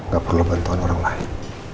gak perlu bantuan orang lain